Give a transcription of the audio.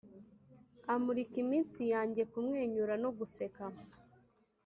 amurika iminsi yanjye kumwenyura no guseka.